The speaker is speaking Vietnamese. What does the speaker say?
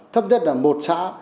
thấp nhất là một xã